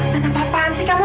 san apaan sih kamu